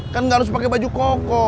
kan gak harus pakai baju koko